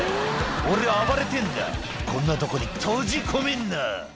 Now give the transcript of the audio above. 「俺は暴れてぇんだこんなとこに閉じ込めんな」